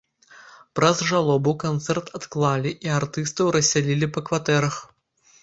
Праз жалобу канцэрт адклалі, і артыстаў рассялілі па кватэрах.